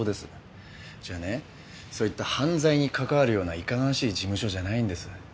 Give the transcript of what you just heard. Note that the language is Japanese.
うちはねそういった犯罪に関わるようないかがわしい事務所じゃないんです。